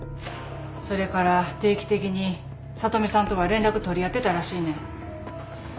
それから定期的に聡美さんとは連絡とり合ってたらしいねん。